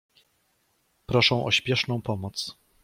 Proszą o spieszną pomoc.